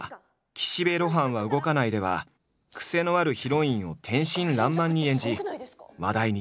「岸辺露伴は動かない」ではクセのあるヒロインを天真らんまんに演じ話題に。